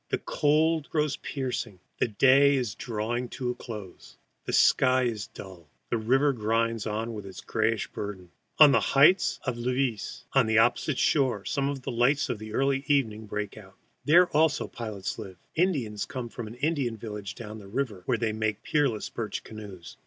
The cold grows piercing. The day is drawing to a close. The sky is dull. The river grinds on with its grayish burden. On the heights of Levis, opposite, some lights of early evening break out. There also pilots live, Indians come from an Indian village down the river, where they make the peerless birch canoes.